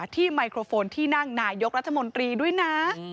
ไมโครโฟนที่นั่งนายกรัฐมนตรีด้วยนะ